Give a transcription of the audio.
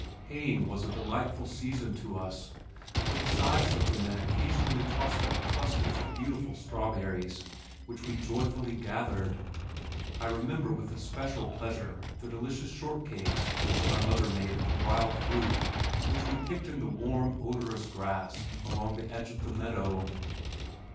Haying was a delightful season to us, for the scythes of the men occasionally tossed up clusters of beautiful strawberries, which we joyfully gathered. I remember with especial pleasure the delicious shortcakes which my mother made of the wild fruit which we picked in the warm odorous grass along the edge of the meadow.